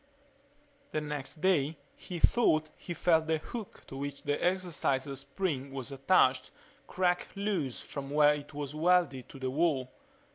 The next day he thought he felt the hook to which the exerciser spring was attached crack loose from where it was welded to the wall.